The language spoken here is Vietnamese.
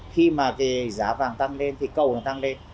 khi mà cái giá vàng tăng lên thì cầu nó tăng lên